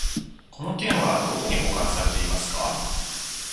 この件はどこに保管されてますか？